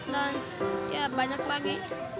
ya banyak lagi